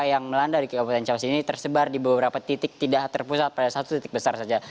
yang melanda di kabupaten cawas ini tersebar di beberapa titik tidak terpusat pada satu titik besar saja